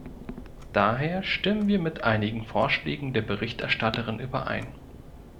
Daher stimmen wir mit einigen Vorschlägen der Berichterstatterin überein.